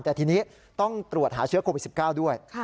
แต่ทีนี้ต้องตรวจหาเชื้อโควิด๑๙ด้วย